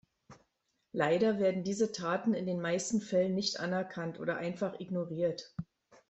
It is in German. Leider werden diese Taten in den meisten Fällen nicht anerkannt oder einfach ignoriert.